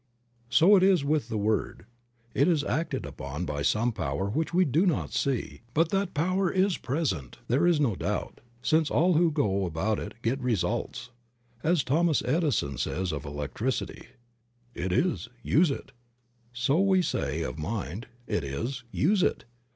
So it is with the word. It is acted upon by some power which we do not see, but that the power is there there is no doubt, since all who go about it get results. As Thomas Edison says of electricity, "It Is ; use it ;" so we say of mind, "It Is; use it."